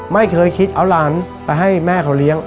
ไม่เคยคิดเอาหลานไปให้แม่เขาเลี้ยง